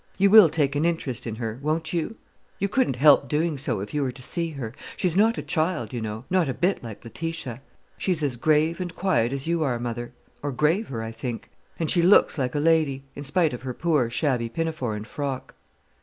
"You will take an interest in her, won't you? You couldn't help doing so, if you were to see her. She's not like a child, you know, not a bit like Letitia. She's as grave and quiet as you are, mother, or graver, I think; and she looks like a lady, in spite of her poor, shabby pinafore and frock."